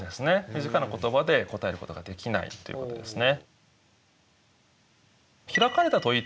短な言葉で答えることができないということですね。